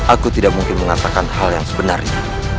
aku tidak mungkin mengatakan hal yang sebenarnya